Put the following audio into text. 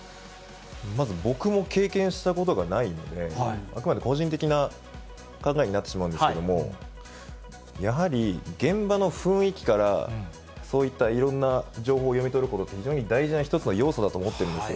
まず僕も経験したことがないので、あくまで個人的な考えになってしまうんですけれども、やはり現場の雰囲気からそういったいろんな情報を読み取ることって、非常に大事な一つの要素だと思ってるんですよ。